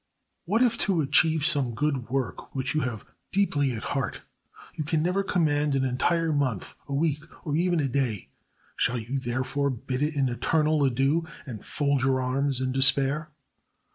What, if to achieve some good work which you have deeply at heart, you can never command an entire month, a week, or even a day? Shall you, therefore, bid it an eternal adieu, and fold your arms in despair?